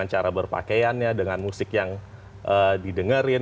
cara berpakaiannya dengan musik yang didengerin